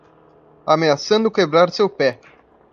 Ameaçando quebrar seu pé